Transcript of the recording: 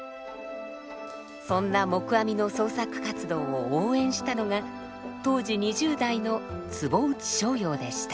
そんな黙阿弥の創作活動を応援したのが当時２０代の坪内逍遙でした。